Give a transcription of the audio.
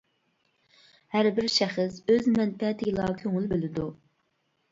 ھەربىر شەخس ئۆز مەنپەئەتىگىلا كۆڭۈل بۆلىدۇ.